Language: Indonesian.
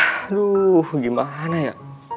aduh gimana ya